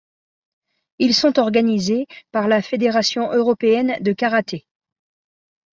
Ils sont organisés par la Fédération européenne de karaté.